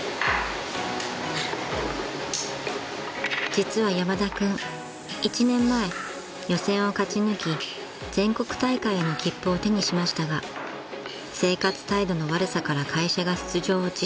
［実は山田君１年前予選を勝ち抜き全国大会への切符を手にしましたが生活態度の悪さから会社が出場を辞退］